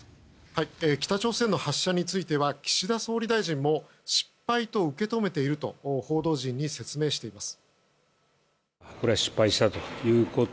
北朝鮮の発射については岸田総理大臣も失敗と受け止めていると報道陣に説明しています。